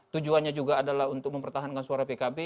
tujuannya juga adalah untuk mempertahankan suara pkb